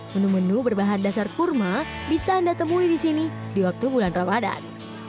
menu menu berbahan dasar kurma bisa anda temui di sini di waktu bulan ramadan